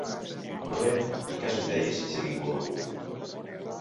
Ondoren, ikasbidaiez hitz egingo dugu.